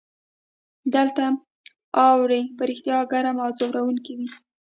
دلته اوړي په رښتیا ګرم او ځوروونکي وي.